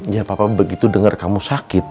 ya papa begitu dengar kamu sakit